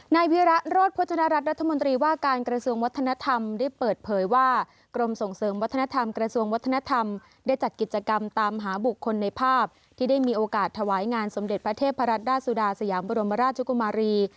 นายวิระโรธพจนรัฐรัฐรัฐมนตรีว่าการกระทรวงวัฒนธรรมได้เปิดเผยว่ากรมส่งเสริมวัฒนธรรมกระทรวงวัฒนธรรมได้จัดกิจกรรมตามหาบุคคลในภาพที่ได้มีโอกาสถวายงานสมเด็จพระเทพรัตดาสุดาสยามบรมราชกุมารี